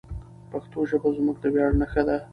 پښتو ژبه زموږ د ویاړ نښه ده.